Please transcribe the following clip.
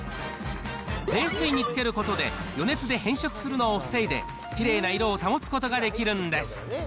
冷水につけることで、余熱で変色するのを防いで、きれいな色を保つことができるんです。